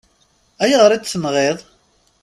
Ayɣer i t-tenɣiḍ?